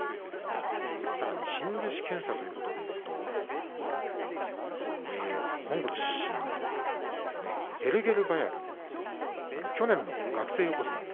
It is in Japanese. さらに新弟子検査ということでいうとモンゴル出身デルゲルバヤル去年の学生横綱。